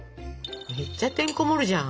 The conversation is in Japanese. めっちゃてんこ盛るじゃん。